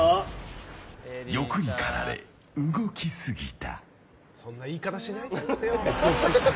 欲にかられ動きすぎた。